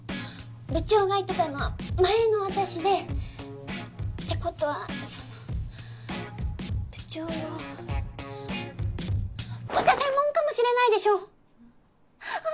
部長が言ってたのは前の私でってことはその部長はぽちゃ専門かもしれないでしょああ